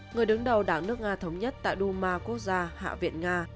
người đứng đầu đảng nước nga thống nhất tại duma quốc gia hạ viện nga